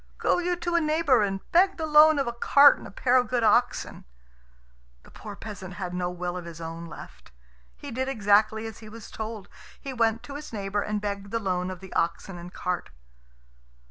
"Go you to a neighbour and beg the loan of a cart and a pair of good oxen." The poor peasant had no will of his own left. He did exactly as he was told. He went to his neighbour and begged the loan of the oxen and cart.